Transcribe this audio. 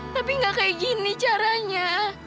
tapi nggak kayak gini caranya